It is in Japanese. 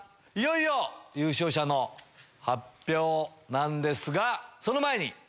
いよいよ優勝者の発表なんですがその前に。